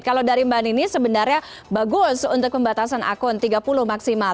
kalau dari mbak nini sebenarnya bagus untuk pembatasan akun tiga puluh maksimal